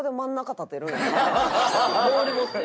ボール持って。